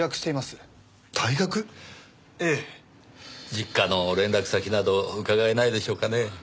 実家の連絡先など伺えないでしょうかね？